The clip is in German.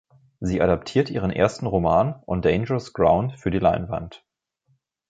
Sie adaptiert ihren ersten Roman „On Dangerous Ground“ für die Leinwand.